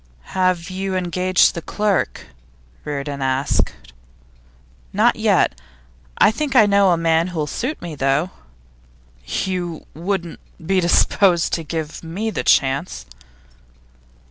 'Have you engaged the clerk?' Reardon asked. 'Not yet. I think I know a man who'll suit me, though.' 'You wouldn't be disposed to give me the chance?